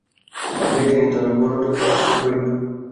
Sir, দেখছেনই তো, আমি বড়ো টুকরো আর খনন করি না।